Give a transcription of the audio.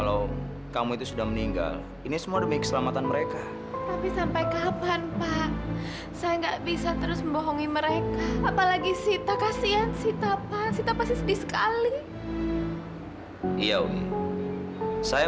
sampai jumpa di video selanjutnya